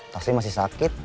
taslim masih sakit